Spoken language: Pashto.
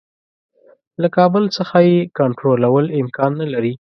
له کابل څخه یې کنټرولول امکان نه لري.